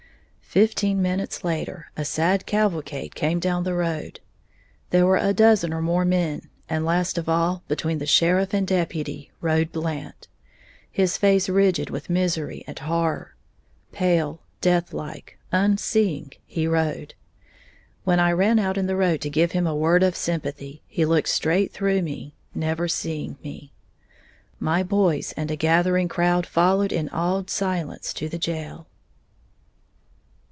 Fifteen minutes later, a sad cavalcade came down the road. There were a dozen or more men, and last of all, between the sheriff and deputy, rode Blant, his face rigid with misery and horror. Pale, deathlike, unseeing, he rode. When I ran out in the road to give him a word of sympathy he looked straight through me, never seeing me. My boys and a gathering crowd followed in awed silence to the jail.